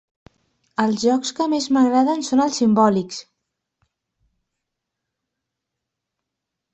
Els jocs que més m'agraden són els simbòlics.